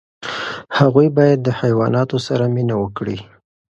هغوی باید د حیواناتو سره مینه وکړي.